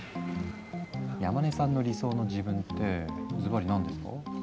山根さんの理想の自分ってズバリ何ですか？